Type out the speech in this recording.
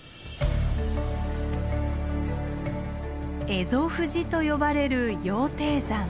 蝦夷富士と呼ばれる羊蹄山。